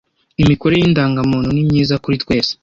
imikorere y’indangamuntu ni myiza kuri twese